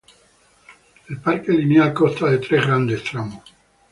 El Parque Lineal consta de tres grandes tramos.